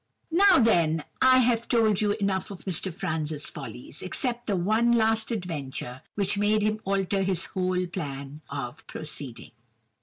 "Now, then, I have told you enough of Mr. Franz's follies, except the one last adventure, which made him alter his whole plan of proceeding.